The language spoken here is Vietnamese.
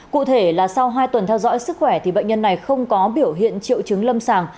cụ thể là sau hai tuần theo dõi sức khỏe thì bệnh nhân này không có biểu hiện triệu chứng lâm sàng